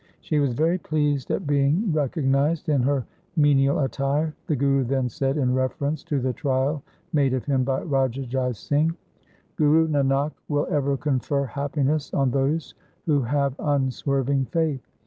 She was very pleased at being re cognized in her menial attire. The Guru then said in reference to the trial made of him by Raja Jai Singh :' Guru Nanak will ever confer happiness on those who have unswerving faith.